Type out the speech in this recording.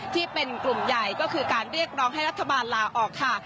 ที่เป็นกลุ่มใหญ่ก็คือการเรียกร้องให้รัฐบาลลาออกค่ะ